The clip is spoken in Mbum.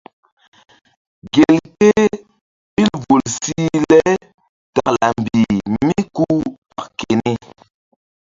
Gelke ɓil vul sih le takla mbih mí ku tak keni.